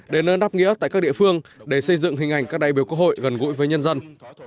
đền ơn đáp nghĩa tại các địa phương để xây dựng hình ảnh các đại biểu quốc hội gần gũi với nhân dân